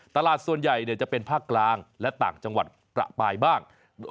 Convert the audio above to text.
ตลาดส่วนใหญ่จะเป็นภาคกลางและต่างจังหวัดประปายบ้าง